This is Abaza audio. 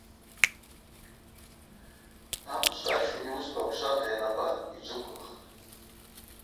Амшв ачӏкӏвын йуысква аквшвата йанаба йджвыквылхтӏ.